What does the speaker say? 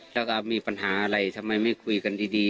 แล้วก็มีปัญหาอะไรทำไมไม่คุยกันดี